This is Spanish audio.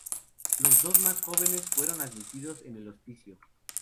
Los dos más jóvenes fueron admitidos en el hospicio.